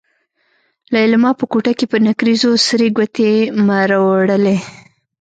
ليلما په کوټه کې په نکريزو سرې ګوتې مروړلې.